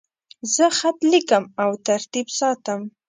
زه خط لیکم او ترتیب ساتم.